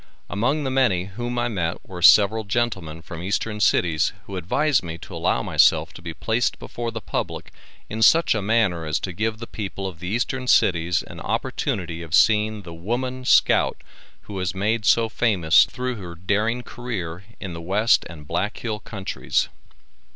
Among the many whom I met were several gentlemen from eastern cities who advised me to allow myself to be placed before the public in such a manner as to give the people of the eastern cities an opportunity of seeing the Woman Scout who was made so famous through her daring career in the West and Black Hill countries.